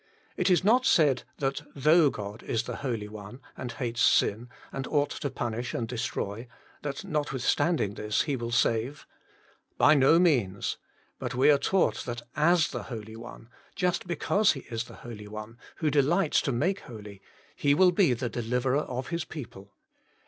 It is not said, that though God is the Holy One, and hates sin, and ought to punish and destroy, that notwithstanding this He will save. By no means. 104 HOLY IN CHRIST. But we are taught that as the Holy One, just because He is the Holy One, who delights to make holy, He will be the Deliverer of His people.